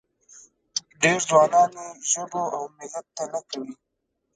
ډېر ځوانان یې ژبو او ملت ته نه کوي.